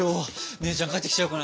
姉ちゃん帰ってきちゃうかな。